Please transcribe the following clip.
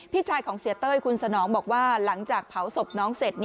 พี่ชายของเสียเต้ยคุณสนองบอกว่าหลังจากเผาศพน้องเสร็จ